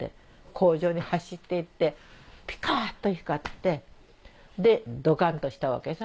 工場に走って行ってピカっと光ってでドカンとしたわけさ。